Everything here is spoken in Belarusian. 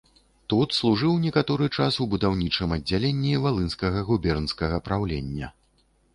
Тут служыў некаторы час у будаўнічым аддзяленні валынскага губернскага праўлення.